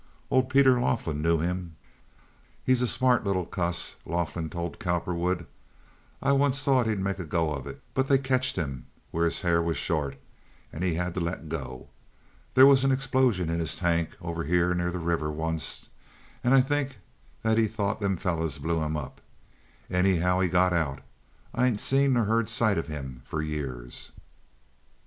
Old Peter Laughlin knew him. "He's a smart little cuss," Laughlin told Cowperwood. "I thort onct he'd make a go of it, but they ketched him where his hair was short, and he had to let go. There was an explosion in his tank over here near the river onct, an I think he thort them fellers blew him up. Anyhow, he got out. I ain't seen ner heard sight of him fer years."